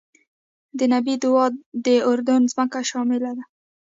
د نبی دعا کې د اردن ځمکه شامله ده.